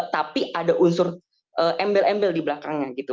tapi ada unsur embel embel di belakangnya gitu